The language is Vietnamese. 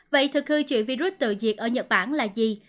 vậy thực hư trụy virus tự diệt ở nhật bản là gì